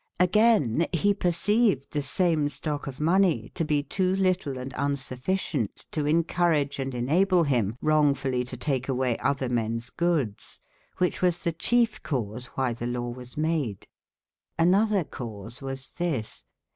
Hgaine he perceived the same stocke of money to be to litle &unsuffi cient to encourage & enhable him wrong/ f ullye to take away other mens goodes: why che was the chief e cause whie the lawe was made. Hn other cause was this.